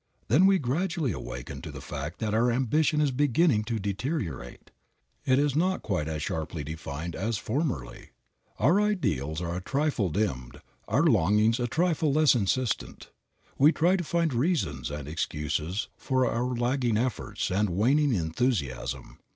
Then we gradually awaken to the fact that our ambition is beginning to deteriorate. It is not quite as sharply defined as formerly. Our ideals are a trifle dimmed, our longings a trifle less insistent. We try to find reasons and excuses for our lagging efforts and waning enthusiasm.